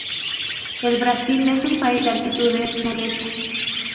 El Brasil es un país de altitudes modestas.